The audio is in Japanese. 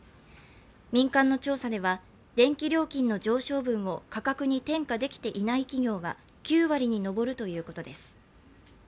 民間の調査では電気料金の上昇分を価格に転嫁できていない企業は９割に上るということです。